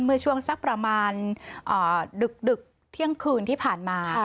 เมื่อช่วงสักประมาณดึกเที่ยงคืนที่ผ่านมา